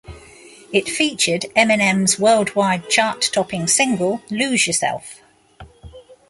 It featured Eminem's worldwide chart-topping single, "Lose Yourself".